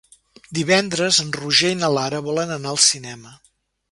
Divendres en Roger i na Lara volen anar al cinema.